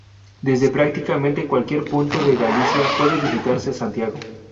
Desde prácticamente cualquier punto de Galicia puede visitarse Santiago.